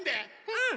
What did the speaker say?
うん！